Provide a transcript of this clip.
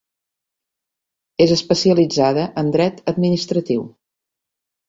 És especialitzada en dret administratiu.